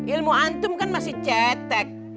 ilmu antum kan masih cetek